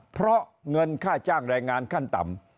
เพราะเงินค่าจ้างแรงงานขั้นต่ำ